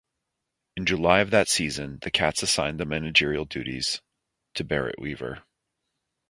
In July of that season, the Cats assigned the managerial duties to Barrett Weaver.